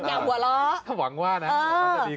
อย่าหัวเราะ